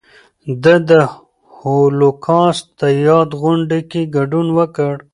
ده د هولوکاسټ د یاد غونډې کې ګډون وکړ.